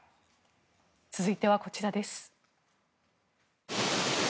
続いてはこちらです。